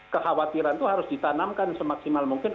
kekhawatiran itu harus ditanamkan semaksimal mungkin